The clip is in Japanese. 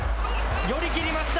寄り切りました。